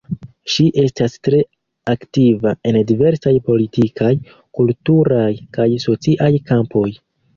Ŝi estas tre aktiva en diversaj politikaj, kulturaj kaj sociaj kampoj.